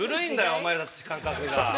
おまえたち、感覚が。